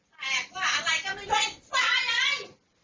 แสกว่าอะไรกันเยอะกี่พ่ออาย